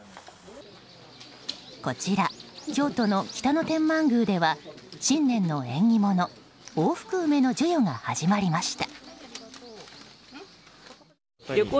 こちら、京都の北野天満宮では新年の縁起物大福梅の授与が始まりました。